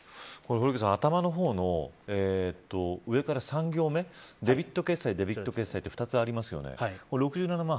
堀池さん頭の方の上から３行目デビット決済、デビット決済と２つありますよね。